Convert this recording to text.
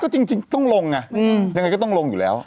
จริงต้องลงไงยังไงก็ต้องลงอยู่แล้ว